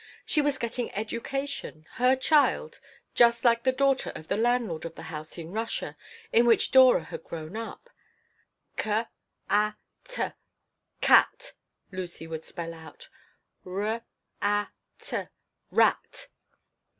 She was getting education, her child, just like the daughter of the landlord of the house in Russia in which Dora had grown up "C a t cat," Lucy would spell out. "R a t rat.